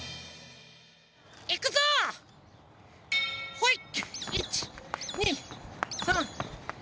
ほい！